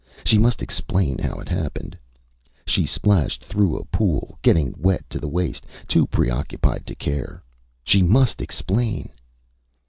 She must explain how it happened. ... She splashed through a pool, getting wet to the waist, too preoccupied to care. ... She must explain.